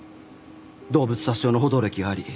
動物殺傷の補導歴あり。